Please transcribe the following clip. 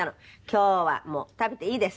「今日はもう食べていいです」。